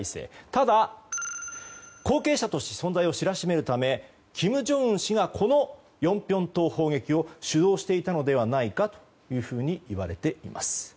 ただ、後継者として存在を知らしめるため金正恩氏がこの攻撃を主導していたのではないかといわれています。